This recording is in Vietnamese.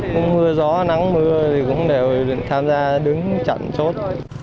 cũng mưa gió nắng mưa thì cũng đều tham gia đứng chặn chốt